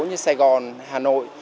như sài gòn hà nội